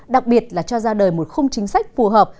đặc biệt là cho ra đời một khung chính sách phù hợp